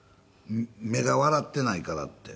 目が笑っていないからって。